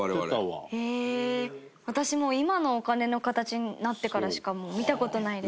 芦田：私、もう今のお金の形になってからしか見た事ないです。